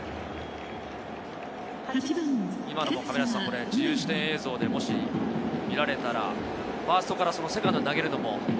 今のも自由視点映像でもし見られたら、ファーストからセカンドに投げるのも。